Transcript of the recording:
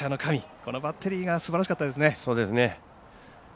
このバッテリーがすばらしかったですね。